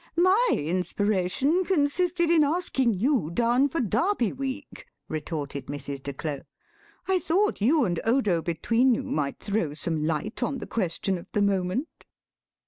"My inspiration consisted in asking you down for Derby week," retorted Mrs. de Claux; "I thought you and Odo between you might throw some light on the question of the moment."